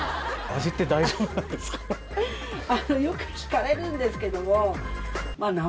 よく聞かれるんですけども。